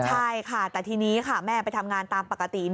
ใช่ค่ะแต่ทีนี้ค่ะแม่ไปทำงานตามปกติ